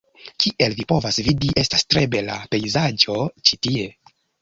Kiel vi povas vidi, estas tre bela pejzaĝo ĉi tie.